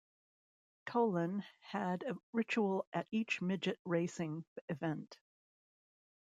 Tolan had a ritual at each midget racing event.